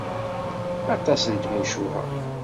Aṭas n tmucuha.